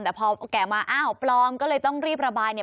แต่พอแก่มาอ้าวปลอมก็เลยต้องรีบระบายเนี่ย